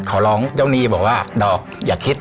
ขอร้องเจ้าหนี้บอกว่าดอกอย่าคิด